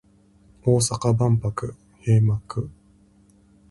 大阪万博閉幕